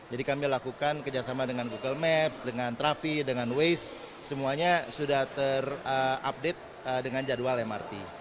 jadi kami lakukan kerjasama dengan google maps dengan trafi dengan waze semuanya sudah terupdate dengan jadwal mrt